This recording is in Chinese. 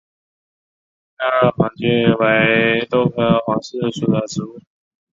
袋萼黄耆为豆科黄芪属的植物。